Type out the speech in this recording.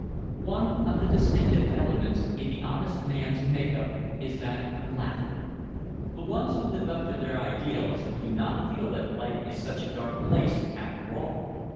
_ One of the distinctive elements in the honest man's make up is that of laughter. The ones who live up to their ideals, do not feel that life is such a dark place, after all.